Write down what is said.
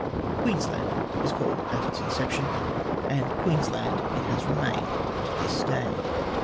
Queensland it was called at its inception, and Queensland it has remained to this day.